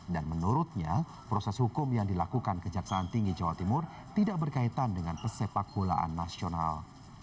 dan menurutnya proses hukum yang dilakukan ke jaksaan tinggi jawa timur tidak berkaitan dengan pesepak bolaan nasional